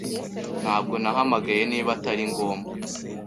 Ntabwo nahamagaye niba atari ngombwa.